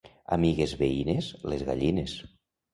Amigues veïnes, les gallines.